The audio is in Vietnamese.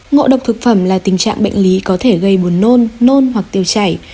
ngộ độc thực phẩm là tình trạng bệnh lý có thể gây buồn nôn nôn hoặc tiêu chảy